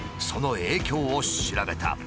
その影響を調べた。